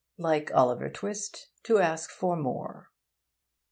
Like Oliver Twist, 'To ask for more.'